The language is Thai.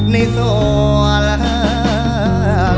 ในสวรรค์